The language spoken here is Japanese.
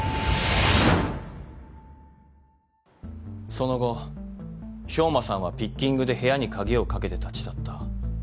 その後兵馬さんはピッキングで部屋に鍵をかけて立ち去った。